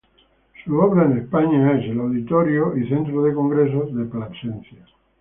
Sus obras en España son el "de Plasencia Auditorio y Centro de congresos".